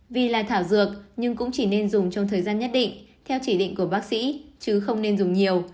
vì là thảo dược nhưng cũng chỉ nên dùng trong thời gian nhất định theo chỉ định của bác sĩ chứ không nên dùng nhiều